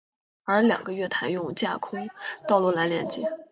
而两个月台用架空道路来连接。